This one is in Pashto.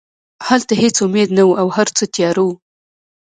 هلته هېڅ امید نه و او هرڅه تیاره وو